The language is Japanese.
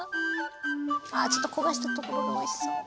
ああちょっと焦がしたところがおいしそう！